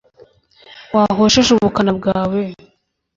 wahosheje ubukana bwawe